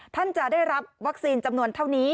ท่านจะได้รับวัคซีนจำนวนเท่านี้